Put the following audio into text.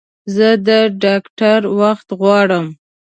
زه د ډاکټر وخت غواړم